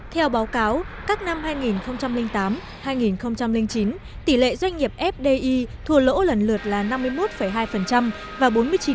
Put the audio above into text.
theo báo cáo các năm hai nghìn tám hai nghìn chín tỷ lệ doanh nghiệp fdi thua lỗ lần lượt là năm mươi một hai và bốn mươi chín chín